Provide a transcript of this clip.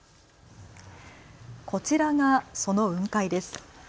こちらがその雲海です。